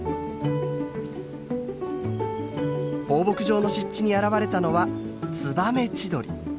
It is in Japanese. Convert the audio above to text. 放牧場の湿地に現れたのはツバメチドリ。